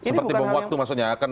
seperti bom waktu maksudnya